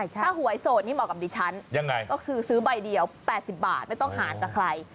ถ้าหวยโสดนี่เหมาะกับดิฉันยังไงก็คือซื้อใบเดียว๘๐บาทไม่ต้องหารกับใคร